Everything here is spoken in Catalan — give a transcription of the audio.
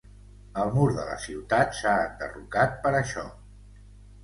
El mur de la ciutat s'ha enderrocat per això.